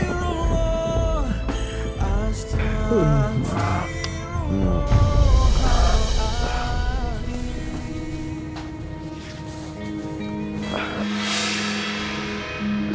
suara apa sih tuh